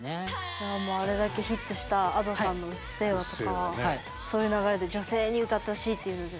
じゃあもうあれだけヒットしたＡｄｏさんの「うっせぇわ」とかはそういう流れで女性に歌ってほしいっていう部分。